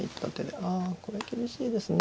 ああこれは厳しいですね。